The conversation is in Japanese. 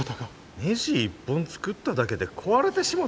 ねじ１本作っただけで壊れてしもた？